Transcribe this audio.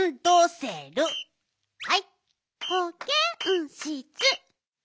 はい！